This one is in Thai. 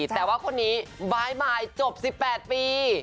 แต่ว่าคนนี้บ๊ายบายจบ๑๘ปี